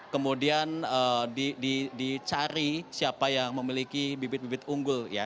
kemudian dicari siapa yang memiliki bibit bibit unggul ya